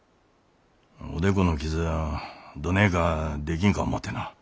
おでこの傷をどねえかできんか思うてな。